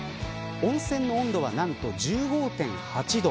温泉の温度はなんと１５．８度。